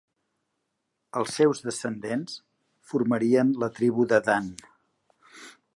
Els seus descendents formarien la Tribu de Dan.